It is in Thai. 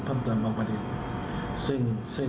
เพิ่มเติมบางประเด็น